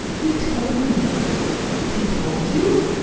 He told me." "He TOLD you!"